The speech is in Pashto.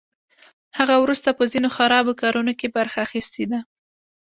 هغه وروسته په ځینو خرابو کارونو کې برخه اخیستې ده